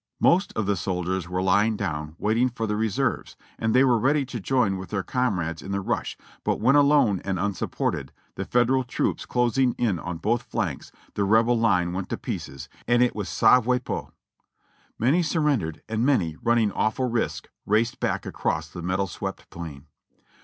Most of the soldiers were lying down waiting for the re serves, and they were ready to join with their comrades in the rush, but when alone and unsupported, the Federal troops clos ing in on both flanks, the Rebel line went to pieces, and it was smire qui pent. Many surrendered, and many, running awful risks, raced back across the metal swept plain.